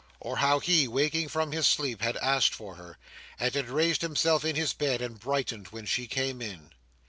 or how he, waking from his sleep, had asked for her, and had raised himself in his bed and brightened when she came in!